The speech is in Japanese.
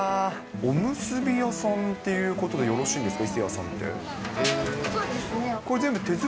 おむすび屋さんっていうことでよろしいんですか？